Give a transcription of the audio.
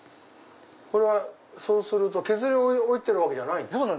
これはそうすると削り置いてるわけじゃない？